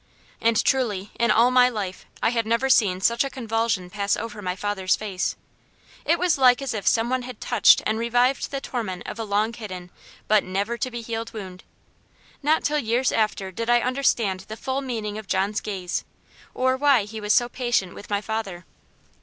And truly, in all my life I had never seen such a convulsion pass over my father's face. It was like as if some one had touched and revived the torment of a long hidden, but never to be healed wound. Not till years after did I understand the full meaning of John's gaze, or why he was so patient with my father.